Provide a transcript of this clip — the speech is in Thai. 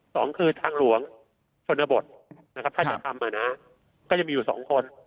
สองคือทางหลวงชนบทนะครับถ้าจะทำก็จะมีอยู่สองคน